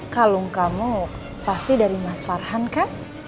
kalung kamu pasti dari mas farhan kan